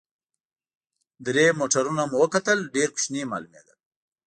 درې موټرونه مو وکتل، ډېر کوچني معلومېدل.